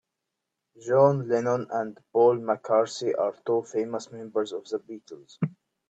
John Lennon and Paul McCartney are two famous members of the Beatles.